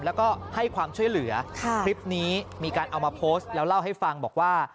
แล้วก็ให้ความช่วยเหลือคลิปนี้มีการเอามาโพสต์แล้วเล่าให้ฟังบอกว่า